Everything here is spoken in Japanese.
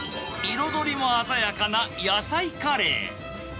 彩りも鮮やかな野菜カレー。